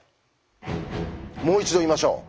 もう一度言いましょう。